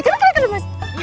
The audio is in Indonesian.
nenek jengukku randy